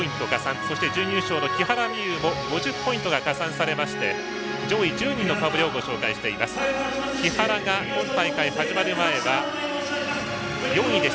そして、準優勝の木原美悠も５０ポイントが加算されまして上位１０人の顔ぶれをご紹介しています。